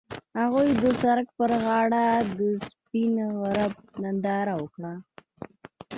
هغوی د سړک پر غاړه د سپین غروب ننداره وکړه.